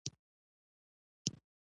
په بل موټر کې را پسې روان شو.